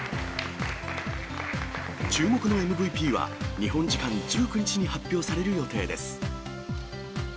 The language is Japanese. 注目のＭＶＰは、日本時間１９日に発表される予定です。